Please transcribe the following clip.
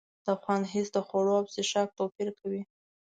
د خوند حس د خوړو او څښاک توپیر کوي.